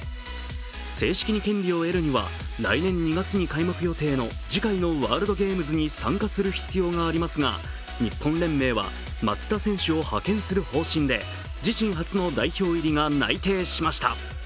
正式に権利を得るには来年２月に開幕予定の次回のワールドゲームズに参加する必要がありますが、日本連盟は松田選手を派遣する方針で自身初の代表入りが内定しました。